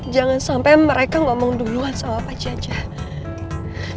jangan sampe mereka ngomong duluan sama pak jajeng